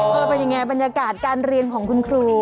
เป็นยังไงบรรยากาศการเรียนของคุณครู